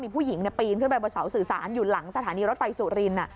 ผู้หญิงปีนขึ้นไปบนเสาสื่อสารอยู่หลังสถานีรถไฟสุรินทร์